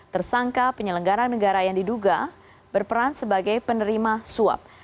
tersangka penyelenggaran negara yang diduga berperan sebagai penerima suap